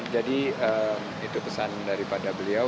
jadi itu pesan daripada beliau